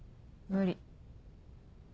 無理。